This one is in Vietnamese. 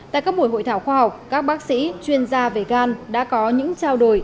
tại các buổi hội thảo khoa học các bác sĩ chuyên gia về gan đã có những trao đổi